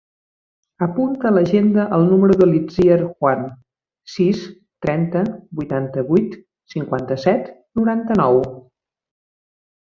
Apunta a l'agenda el número de l'Itziar Juan: sis, trenta, vuitanta-vuit, cinquanta-set, noranta-nou.